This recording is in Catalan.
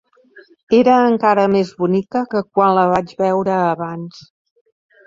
Era encara més bonica que quan la vaig veure abans.